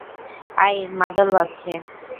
অ্যাই, মাদল বাজছে।